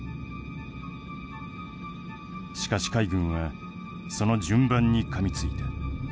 しかし海軍はその順番にかみついた。